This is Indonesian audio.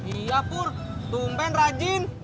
iya pur tumpen rajin